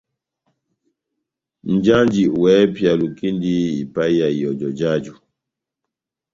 Nʼjanji wɛ́hɛ́pi alukindi ipahiya ihɔjɔ jáju.